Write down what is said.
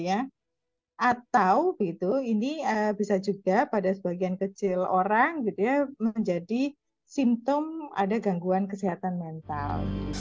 atau ini bisa juga pada sebagian kecil orang menjadi simptom ada gangguan kesehatan mental